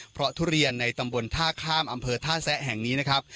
เพราะทุเรียนในตำบลท่าข้ามอำเภอท่าแซะแห่งนี้นะครับ